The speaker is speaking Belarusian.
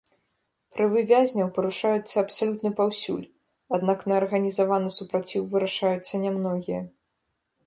Правы вязняў парушаюцца абсалютна паўсюль, аднак на арганізаваны супраціў вырашаюцца нямногія.